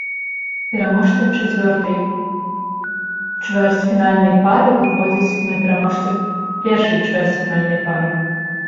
Пераможца чацвёртай чвэрцьфінальнай пары выходзіць на пераможца першай чвэрцьфінальнай пары.